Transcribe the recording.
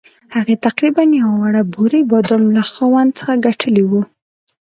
هغې تقریباً یوه وړه بورۍ بادام له خاوند څخه ګټلي وو.